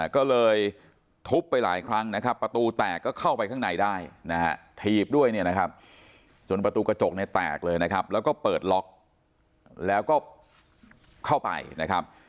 ก็เลยทุบไปหลายครั้งนะครับประตูแตกก็เข้าไปข้างในได้นะฮะถีบด้วยเนี่ยนะครับจนประตูกระจกเนี่ยแตกเลยนะครับแล้วก็เปิดล็อกแล้วก็เข้าไปนะครับ